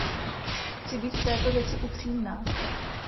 Chci být v této věci upřímná.